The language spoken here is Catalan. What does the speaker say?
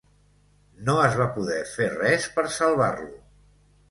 No es va poder fer res per salvar-lo.